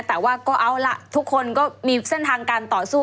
แต่ว่าก็เอาล่ะทุกคนก็มีเส้นทางการต่อสู้